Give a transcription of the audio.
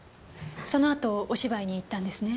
その後お芝居に行ったんですね？